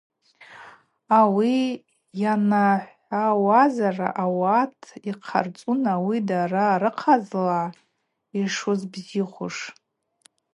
Ауи йанахӏвауазара ауат йхъарцӏун ауи дара рыхъазла йшуыс бзихуш.